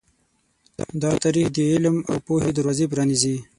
دا تاریخ د علم او پوهې دروازې پرانیزي.